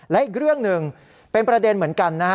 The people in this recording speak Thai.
และอีกเรื่องหนึ่งเป็นประเด็นเหมือนกันนะฮะ